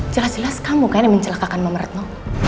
jelas jelas kamu kan yang mencelakakan meme retno